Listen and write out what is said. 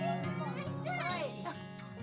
itu sudah cukup besar